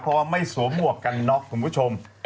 เพราะว่าไม่สวมหมวกกันน็อกคุณผู้ชม